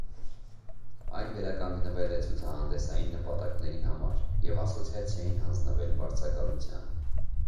Այն վերականգնվել է ցուցահանդեսային նպատակների համար և ասոցիացիային հանձնվել վարձակալության։